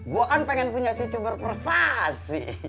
gue kan pengen punya cucu berprestasi